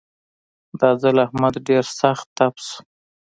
دا ځل احمد ډېر سخت تپ شو.